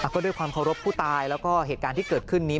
ก็ด้วยความเคารพผู้ตายแล้วก็เหตุการณ์ที่เกิดขึ้นนี้